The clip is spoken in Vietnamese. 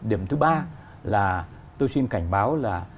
điểm thứ ba là tôi xin cảnh báo là